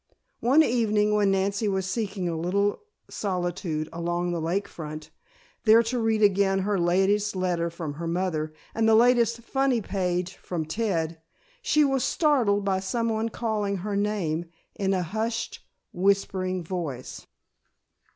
One evening when Nancy was seeking a little solitude along the lake front, there to read again her latest letter from her mother and the latest "funny page" from Ted, she was startled by someone calling her name in a hushed, whispering voice.